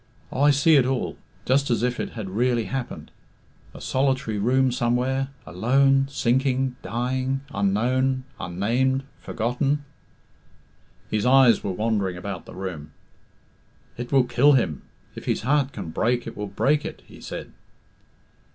Oh, I see it all just as if it had really happened. A solitary room somewhere alone sinking dying unknown, unnamed forgotten " His eyes were wandering about the room. "It will kill him. If his heart can break, it will break it," he said.